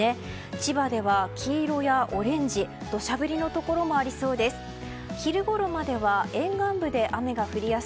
千葉では黄色やオレンジ土砂降りのところもありそうです。